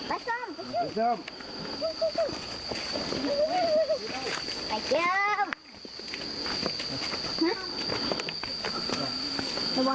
ระวังตัวไปเชื่อมนะ